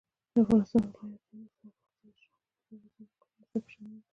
د افغانستان ولايتونه د افغانستان د پوهنې نصاب کې شامل دي.